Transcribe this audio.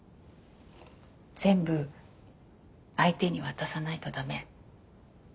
全部相手に渡さないと駄目。